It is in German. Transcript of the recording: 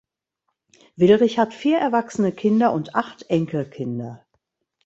Willrich hat vier erwachsene Kinder und acht Enkelkinder.